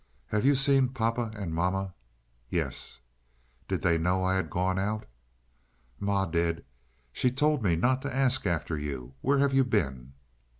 "Have you seen papa and mamma?" "Yes." "Did they know I had gone out?" "Ma did. She told me not to ask after you. Where have you been?"